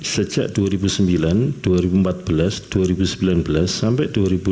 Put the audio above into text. sejak dua ribu sembilan dua ribu empat belas dua ribu sembilan belas sampai dua ribu dua puluh